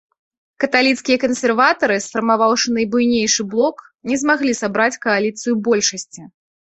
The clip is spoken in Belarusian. Каталіцкія кансерватары, сфармаваўшы найбуйнейшы блок, не змаглі сабраць кааліцыю большасці.